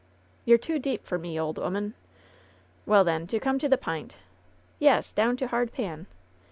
"You're too deep for me, ole 'oman 1" "Well, then, to come to the p'int ^" "Yes, down to hard pan."